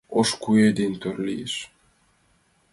Ош куэ ден тӧр лиеш.